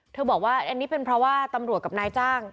นั่นเป็นก็เพราะว่าตำรวจกับนายจ้าง